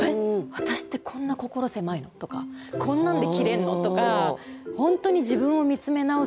私ってこんな心狭いの？」とか「こんなんでキレんの？」とか本当に自分を見つめ直す時間なんですよね。